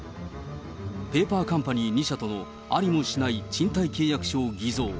ペーパーカンパニー２社とのありもしない賃貸契約書を偽造。